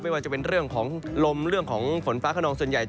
ว่าจะเป็นเรื่องของลมเรื่องของฝนฟ้าขนองส่วนใหญ่